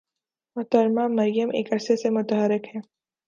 محترمہ مریم ایک عرصہ سے متحرک ہیں۔